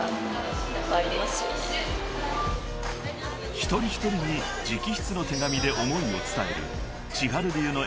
［一人一人に直筆の手紙で思いを伝える］